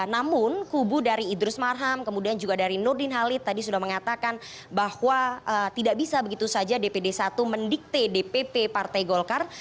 namun kubu dari idrus marham kemudian juga dari nurdin halid tadi sudah mengatakan bahwa tidak bisa begitu saja dpd satu mendikte dpp partai golkar